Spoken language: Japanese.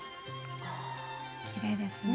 きれいですね。